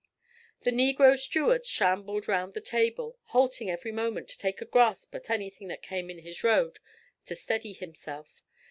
The negro steward shambled round the table, halting every moment to make a grasp at anything that came in his road to steady himself.